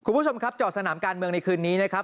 คุณผู้ชมครับจอดสนามการเมืองในคืนนี้นะครับ